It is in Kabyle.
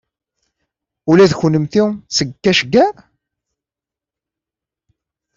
Ula d kennemti seg Kashgar?